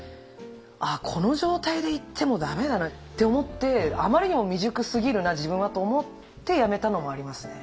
あこの状態で行っても駄目だなって思って「あまりにも未熟すぎるな自分は」と思ってやめたのもありますね。